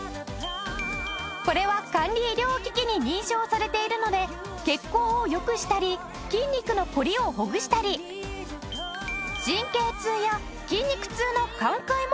これは管理医療機器に認証されているので血行を良くしたり筋肉の凝りをほぐしたり神経痛や筋肉痛の緩解も期待できるらしいよ。